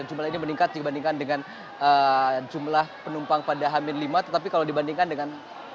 jumlah ini meningkat dibandingkan dengan jumlah penumpang pada hamil lima tetapi kalau dibandingkan dengan